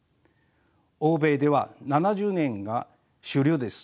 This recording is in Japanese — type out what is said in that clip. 欧米では７０年が主流です。